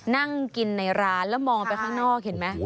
นั่งกินในร้านแล้วมองไปข้างนอกเห็นไหม